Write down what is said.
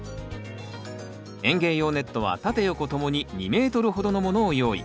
園芸用ネットは縦横ともに２ｍほどのものを用意。